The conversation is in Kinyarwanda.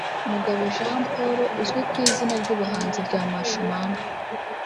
Mugabo Jean Paul uzwi ku izina ry’ubuhanzi rya Masho Mampa